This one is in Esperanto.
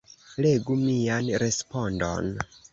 Legu mian respondon.